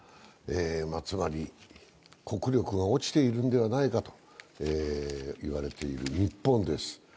つまり、国力が落ちているんではないかといわれている日本です。